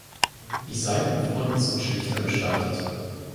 Die Seitenfronten sind schlichter gestaltet.